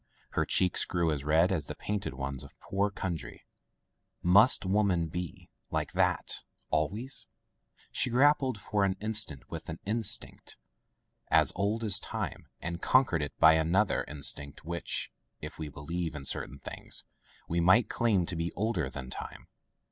Her cheeks grew as red as the painted ones of poor Kundry. Must women be — ^like that — ^always ? She grappled for an instant with an instinct as [ ZOZ ] Digitized by LjOOQ IC Interventions old as time, and conquered it by another in stinct which — if we believed in certain things — ^we might claim to be older than time.